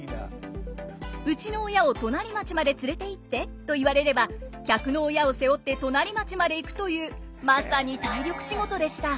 「うちの親を隣町まで連れていって」と言われれば客の親を背負って隣町まで行くというまさに体力仕事でした。